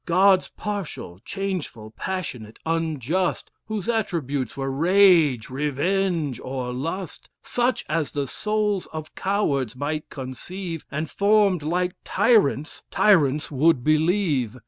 Gods partial, changeful, passionate, unjust, Whose attributes were rage, revenge, or lust. Such as the souls of cowards might conceive, And formed like tyrants; tyrants would believe.